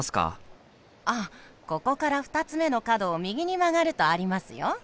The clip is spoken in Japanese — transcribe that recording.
ああここから２つ目の角を右に曲がるとありますよ。